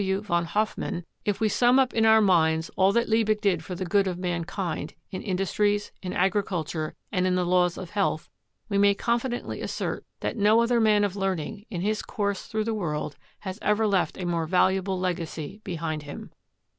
W. von Hofmann, "If we sum up in our minds all that Liebig did for the good of mankind, in industries, in agriculture, and in the laws of health, we may confidently assert that no other man of learning, in his course through the world, has ever left a more valuable legacy behind him."